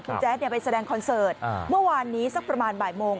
คุณแจ๊ดไปแสดงคอนเสิร์ตเมื่อวานนี้สักประมาณบ่ายโมง